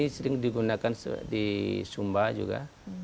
sering digunakan di sumba juga